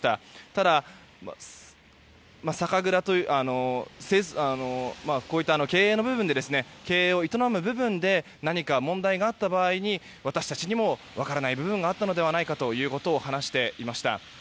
ただ、こういった経営を営む部分で何か問題があった場合に私たちにも分からない部分があったのではないかと話していました。